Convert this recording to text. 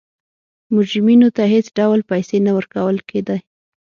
مجرمینو ته هېڅ ډول پیسې نه ورکول کېده.